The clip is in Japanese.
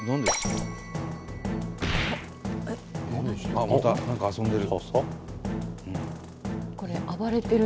あっまた何か遊んでる。